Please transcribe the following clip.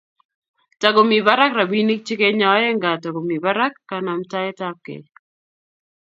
takomii barak rapinik chekenyoe ngaa takomii barak kanamtaet ab kei